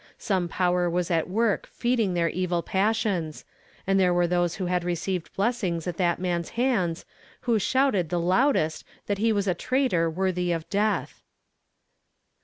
Some power was at work feeding their evil passions, and there were those who had received blessings at that man's hands who shouted the loudest that he was a traitor worthy of death.